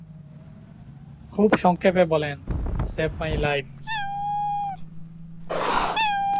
খুব সংক্ষেপে বলেন "সেভ মাই লাইফ"।